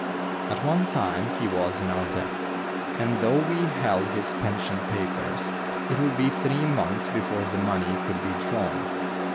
At one time he was in our debt, and though we held his pension papers, it would be three months before the money could be drawn.